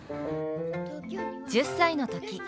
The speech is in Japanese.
１０歳の時。